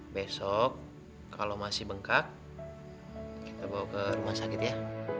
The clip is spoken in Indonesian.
besok kalau masih bengkak kita bawa ke rumah sakit ya